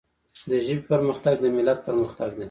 د ژبي پرمختګ د ملت پرمختګ دی.